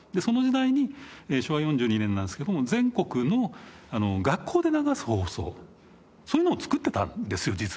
その時代に昭和４２年なんですけども全国の学校で流す放送そういうのを作ってたんですよ